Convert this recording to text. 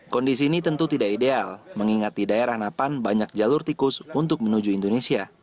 kondisi ini tentu tidak ideal mengingat di daerah napan banyak jalur tikus untuk menuju indonesia